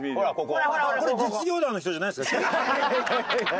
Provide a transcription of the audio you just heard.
これ実業団の人じゃないですか？